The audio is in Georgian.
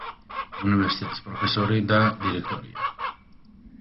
უნივერსიტეტის პროფესორი და დირექტორია.